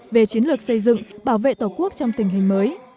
về chiến lược xây dựng bảo vệ tổ quốc trong tình hình mới